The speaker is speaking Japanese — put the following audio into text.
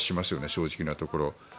正直なところ。